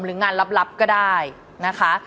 หรืองานลับก็ได้นะคะ